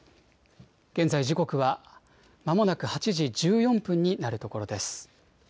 現在、時刻はまもなく８時１４分になるところです。